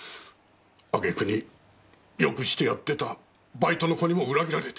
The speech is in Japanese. あげくに良くしてやってたバイトの子にも裏切られて。